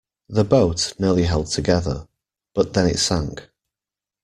The boat nearly held together, but then it sank.